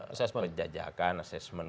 asesmen penjajakan asesmen